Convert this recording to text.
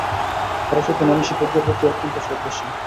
ফরাসউদ্দিন আমি শিক্ষকদের প্রতি অত্যন্ত শ্রদ্ধাশীল।